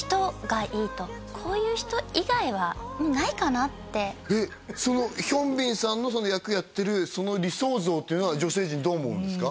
こういう人がいいとえっそのヒョンビンさんの役やってるその理想像っていうのは女性陣どう思うんですか？